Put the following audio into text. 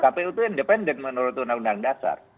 kpu itu independen menurut undang undang dasar